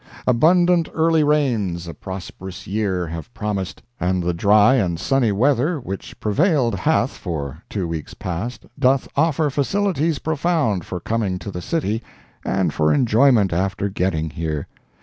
Abundant early rains a prosperous year Have promised—and the dry And sunny weather which prevailed hath For two weeks past, doth offer Facilities profound for coming to the city, And for enjoyment after getting here.